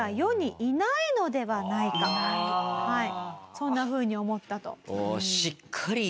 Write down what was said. そんなふうに思ったと。